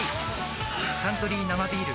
「サントリー生ビール」